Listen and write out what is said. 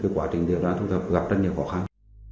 quá trình điều tra gặp rất nhiều khó khăn